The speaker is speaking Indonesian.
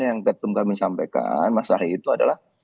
yang ketum kami sampaikan mas ari itu adalah